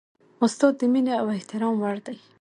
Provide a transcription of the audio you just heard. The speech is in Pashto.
استاد د مینې او احترام وړ دی.